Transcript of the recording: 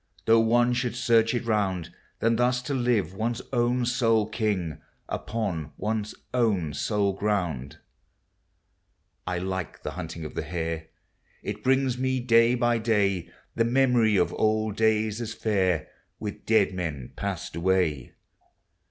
Though one should search it round, Than thus to live one's own sole king, Upon one's own sole ground. THE SEASONS. 107 I like the hunting <>i' the hare; It brings me, day by day, The memory of old days as fair, With dead men passed away.